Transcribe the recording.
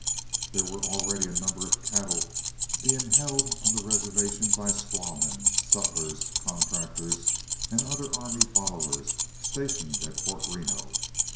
There were already a number of cattle being held on the reservation by squaw men, sutlers, contractors, and other army followers stationed at Fort Reno.